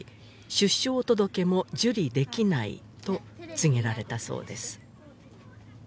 「出生届も受理できない」と告げられたそうです